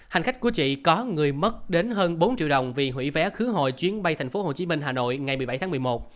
hành khách của chị có người mất đến hơn bốn triệu đồng vì hủy vé khứa hội chuyến bay thành phố hồ chí minh hà nội ngày một mươi bảy tháng một mươi một